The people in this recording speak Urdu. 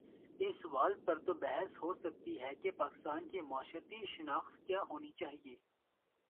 اس سوال پر تو بحث ہو سکتی ہے کہ پاکستان کی معاشرتی شناخت کیا ہو نی چاہیے۔